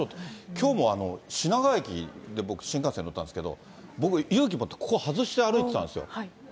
きょうも品川駅で僕、新幹線乗ったんですけど、僕、勇気持って、ここ外して歩いてたんですよ。